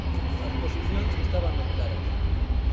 As posicións estaban moi claras.